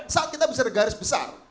saat kita bicara garis besar